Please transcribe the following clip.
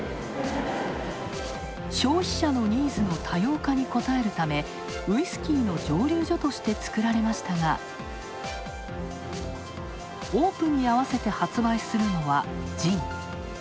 消費者のニーズの多様化にこたえるため、ウイスキーの蒸留所としてつくられましたがオープンにあわせて発売するのは、ジン。